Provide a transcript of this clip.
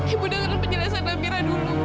ibu dengar penjelasan amira dulu